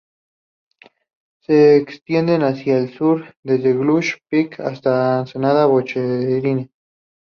Se extiende hacia el sur desde Gluck Peak hasta ensenada Boccherini.